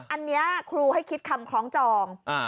อันนี้ครูให้คิดคำคล้องจอง